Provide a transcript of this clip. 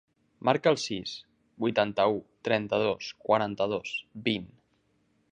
Marca el sis, vuitanta-u, trenta-dos, quaranta-dos, vint.